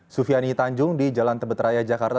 sufiani tanjung di jalan tebetraya jakarta